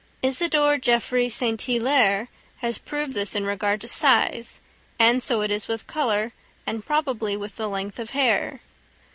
Isidore Geoffroy St. Hilaire has proved this in regard to size, and so it is with colour, and probably with the length of hair.